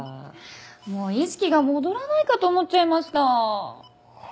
もう意識が戻らないかと思っちゃいました。